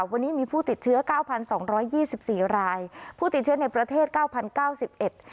วันนี้มีผู้ติดเชื้อเก้าพันสองร้อยยี่สิบสี่รายผู้ติดเชื้อในประเทศเก้าพันเก้าสิบเอ็ด